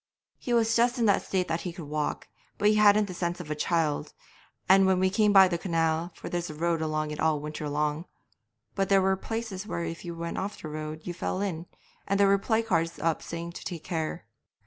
'He was just in that state that he could walk, but he hadn't the sense of a child, and we came by the canal, for there's a road along it all winter long, but there were places where if you went off the road you fell in, and there were placards up saying to take care.